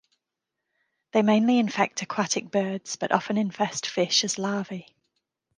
They mainly infect aquatic birds, but often infest fish as larvae.